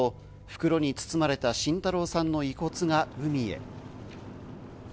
袋に包まれた慎太郎さんの遺骨が海へ。